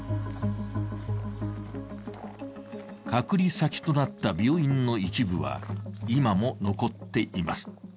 隔離先となった病院の一部は、今も残っています。